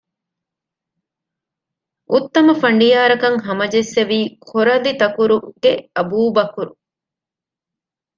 އުއްތަމަ ފަނޑިޔާާރަކަށް ހަމަޖެއްސެވީ ކޮރަލިތަކުރުގެ އަބޫބަކުރު